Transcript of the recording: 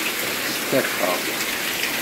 Stafeɣ.